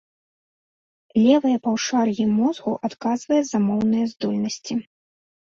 Левае паўшар'е мозгу адказвае за моўныя здольнасці.